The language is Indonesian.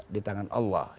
di tangan allah